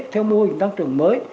theo mô hình tăng trưởng mới